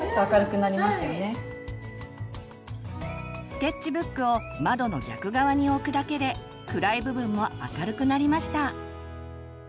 スケッチブックを窓の逆側に置くだけで暗い部分も明るくなりました。